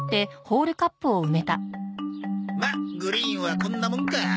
まあグリーンはこんなもんか。